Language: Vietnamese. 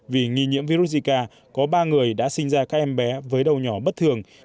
vì nghi nhiễm virus zika có ba người đã sinh ra các em bé với đầu nhỏ bất thường